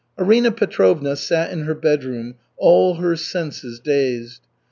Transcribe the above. Arina Petrovna sat in her bedroom, all her senses dazed.